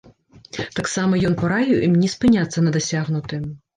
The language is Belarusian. Таксама ён параіў ім не спыняцца на дасягнутым.